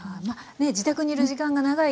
自宅にいる時間が長い